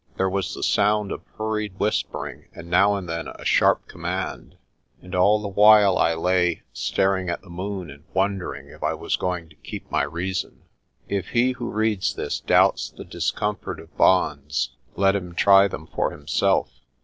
There was the sound of hurried whispering and now and then a sharp command. And all the while I lay, staring at the mogn and wondering if I was going to keep my reason. If he who reads this doubts the discomfort of bonds let him try them for himself.